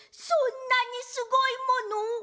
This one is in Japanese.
そんなにすごいもの！？